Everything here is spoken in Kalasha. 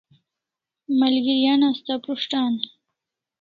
Malgeri an asta prus't an e?